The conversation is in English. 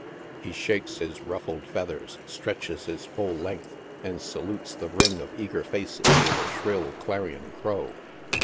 He shakes Ms ruffled feathers, stretches his full length^and salutes the ring of eager faces with a shrill, clarion crow.